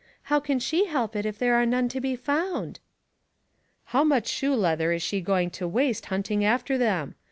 How can she help it if there are none to be found ?"" How much shoe leather is she going to waste hunting after them?